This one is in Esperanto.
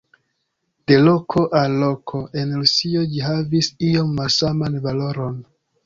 De loko al loko en Rusio ĝi havis iom malsaman valoron.